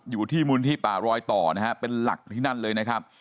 อยู่ที่มูลที่ป่ารอยต่อนะฮะเป็นหลักที่นั่นเลยนะครับ